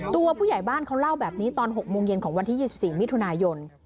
ตัวผู้ใหญ่บ้านเขาเล่าแบบนี้ตอน๖โมงเย็นของวันที่๒๔มิถุนายน